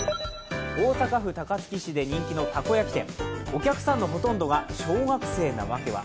大阪府高槻市で人気のたこ焼き店お客さんのほとんどが小学生なワケは。